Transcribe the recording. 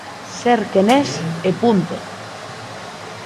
Ser quen es, e punto.